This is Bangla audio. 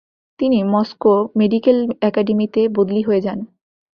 তিনি মস্কো মেডিক্যাল একাডেমিতে বদলি হয়ে যান।